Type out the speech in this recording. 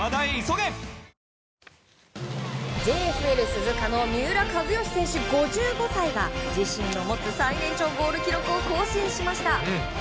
ＪＦＬ鈴鹿の三浦知良選手、５５歳が自身の持つ最年長ゴール記録を更新しました。